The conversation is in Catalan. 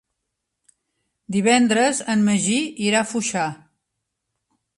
Divendres en Magí irà a Foixà.